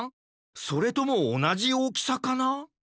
それともおなじおおきさかな？